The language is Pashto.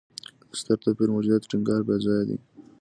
ستر توپیر موجودیت ټینګار بېځایه دی.